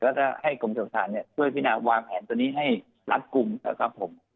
ก็จะให้กลุ่มเชิงฐานช่วยพี่นาวางแผนตัวนี้ให้ลักกลุ่ม